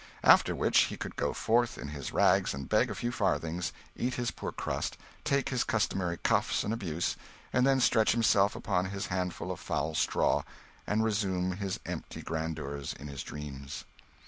After which, he would go forth in his rags and beg a few farthings, eat his poor crust, take his customary cuffs and abuse, and then stretch himself upon his handful of foul straw, and resume his empty grandeurs in his dreams.